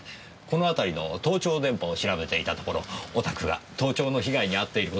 この辺りの盗聴電波を調べていたところお宅が盗聴の被害にあっている事がわかりました。